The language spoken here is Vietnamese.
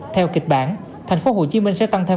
theo kịch bản tp hcm sẽ tăng thêm